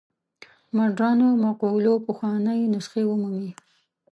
مډرنو مقولو پخوانۍ نسخې ومومي.